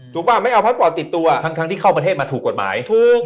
ป่ะไม่เอาพาสปอร์ตติดตัวทั้งที่เข้าประเทศมาถูกกฎหมายถูก